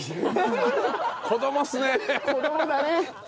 子供だね。